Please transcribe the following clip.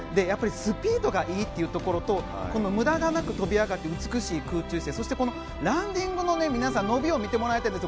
やっぱりスピードがいいというところと無駄がなく跳び上がって美しい空中姿勢、そしてランディングの伸びを見てください。